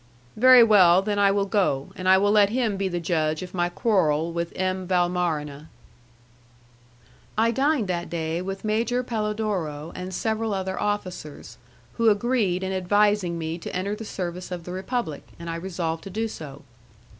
"Very well, then I will go, and I will let him be the judge of my quarrel with M. Valmarana." I dined that day with Major Pelodoro and several other officers, who agreed in advising me to enter the service of the Republic, and I resolved to do so.